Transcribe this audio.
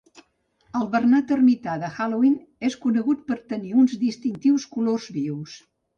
El bernat ermità de Halloween és conegut per tenir uns distintius colors vius.